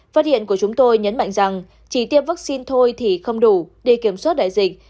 phát hiện của chúng tôi nhấn mạnh rằng chỉ tiêm vaccine thôi thì không đủ để kiểm soát đại dịch